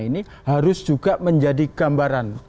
ini harus juga menjadi gambaran